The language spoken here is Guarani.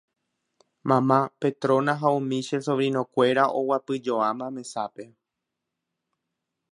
mamá, Petrona ha umi che sobrinokuéra oguapyjoáma mesápe